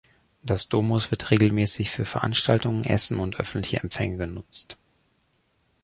Das Domus wird regelmäßig für Veranstaltungen, Essen und öffentliche Empfänge genutzt.